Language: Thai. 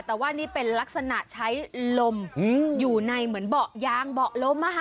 แต่ว่านี่เป็นลักษณะใช้ลมอยู่ในเหมือนเบาะยางเบาะล้ม